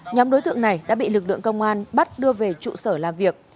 nhóm đối tượng này đã bị lực lượng công an bắt đưa về trụ sở làm việc